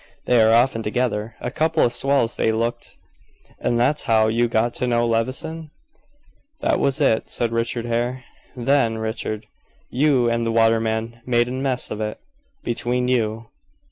They are often together a couple of swells they looked.'" "And that's how you got to know Levison?" "That was it," said Richard Hare. "Then, Richard, you and the waterman made a mess of it between you.